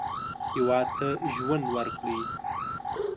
هېواد ته ژوند وکړئ